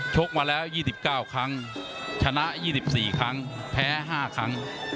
กมาแล้ว๒๙ครั้งชนะ๒๔ครั้งแพ้๕ครั้ง